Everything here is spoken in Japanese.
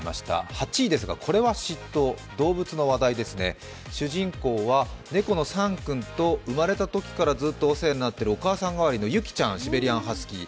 ８位ですが、「これは嫉妬？」。主人公は猫のサンくんと生まれたときからお世話になっているお母さんがわりのユキちゃんシベリアンハスキー。